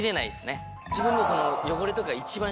自分の。